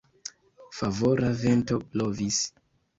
Favora vento blovis.